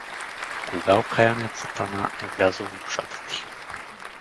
Откога окаяният сатана е влязъл в душата ти?